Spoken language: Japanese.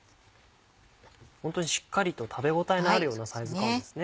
ホントにしっかりと食べ応えのあるようなサイズ感ですね。